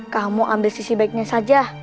kamu ambil sisi baiknya saja